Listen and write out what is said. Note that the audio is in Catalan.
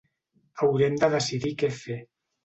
Haurem de decidir què fer.